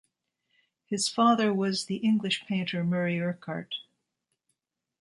His father was the English painter Murray Urquhart.